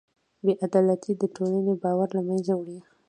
بېعدالتي د ټولنې باور له منځه وړي.